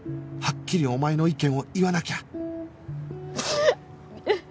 はっきりお前の意見を言わなきゃ